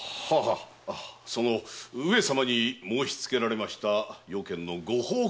その上様に申しつけられました用件のご報告を。